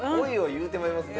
言うてまいますね。